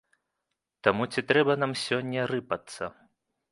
Таму ці трэба нам сёння рыпацца?